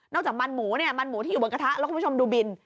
จากมันหมูเนี่ยมันหมูที่อยู่บนกระทะแล้วคุณผู้ชมดูบิน